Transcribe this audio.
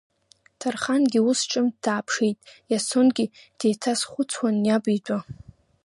Ҭарханагьы ус ҿымҭ дааԥшит, Иасонгьы деиҭазхәыцуан иаб итәы.